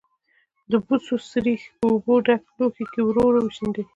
د بوسو سريښ په اوبو ډک لوښي کې ورو ورو وشیندئ.